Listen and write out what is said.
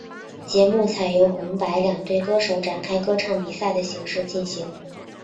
节目采由红白两队歌手展开歌唱比赛的形式进行。